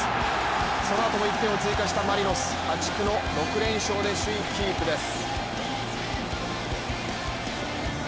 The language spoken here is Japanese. そのあとも１点を追加したマリノス破竹の６連勝で首位キープです。